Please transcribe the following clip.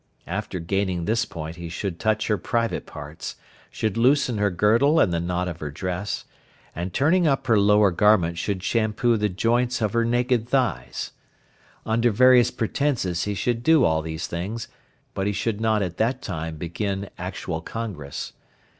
After gaining this point he should touch her private parts, should loosen her girdle and the knot of her dress, and turning up her lower garment should shampoo the joints of her naked thighs. Under various pretences he should do all these things, but he should not at that time begin actual congress.